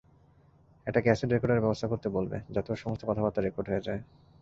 একটা ক্যাসেট রেকর্ডারের ব্যবস্থা করতে বলবে, যাতে ওর সমস্ত কথাবার্তা রেকর্ড হয়ে যায়।